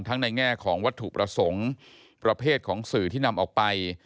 ในแง่ของวัตถุประสงค์ประเภทของสื่อที่นำออกไป